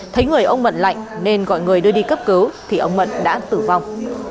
thấy người ông mận lạnh nên gọi người đưa đi cấp cứu thì ông mận đã tử vong